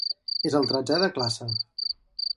És el tretzè de classe.